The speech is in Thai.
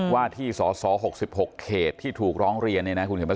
ว่าที่สอสอ๖๖เขตที่ถูกร้องเรียน